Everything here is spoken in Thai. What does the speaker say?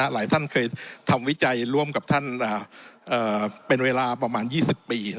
หลายท่านเคยทำวิจัยร่วมกับท่านเป็นเวลาประมาณ๒๐ปี